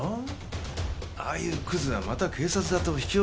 ああいうクズはまた警察沙汰を引き起こす。